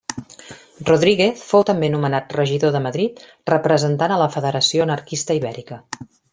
Rodríguez fou també nomenat regidor de Madrid, representant a la Federació Anarquista Ibèrica.